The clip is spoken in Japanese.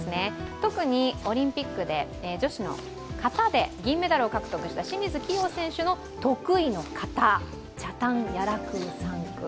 特にオリンピックで女子の形で女子銀メダルを獲得した清水希容選手のチャタンヤラクーサンクー。